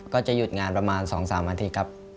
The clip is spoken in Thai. ก็จะหยุดงานประมาณ๒๓อาทิตย์ครับ